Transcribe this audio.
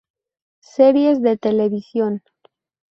Series de Televisión